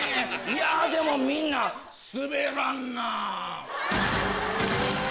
いやでもみんなすべらんなぁ。